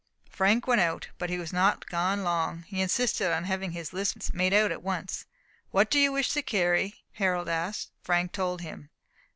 Frank went out, but he was not gone long. He insisted on having his list made out at once. "What do you wish to carry?" Harold asked. Frank told him.